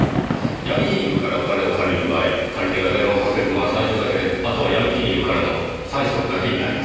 ヤミ金融からお金を借りる場合借り手が電話をかけるのは最初だけであとはヤミ金融からの催促だけになります。